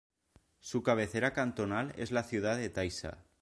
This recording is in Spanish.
Su cabecera cantonal es la ciudad de Taisha.